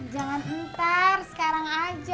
jangan ntar sekarang aja